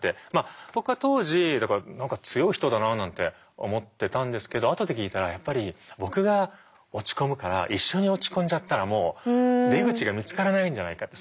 僕は当時だから何か強い人だなあなんて思ってたんですけど後で聞いたらやっぱり僕が落ち込むから一緒に落ち込んじゃったらもう出口が見つからないんじゃないかって。